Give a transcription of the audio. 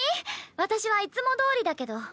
私はいつもどおりだけど。